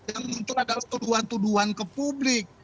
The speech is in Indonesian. yang muncul adalah tuduhan tuduhan ke publik